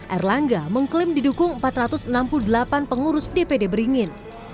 erlangga mengklaim didukung empat ratus enam puluh delapan pengurus dpd beringin